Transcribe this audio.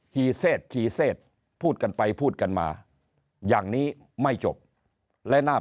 ีเซตชีเซตพูดกันไปพูดกันมาอย่างนี้ไม่จบและหน้า